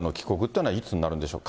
谷口容疑者の帰国っていうのはいつになるんでしょう。